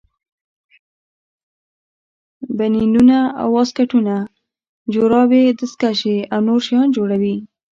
بنینونه واسکټونه جورابې دستکشې او نور شیان جوړوي.